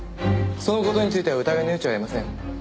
その事については疑いの余地はありません。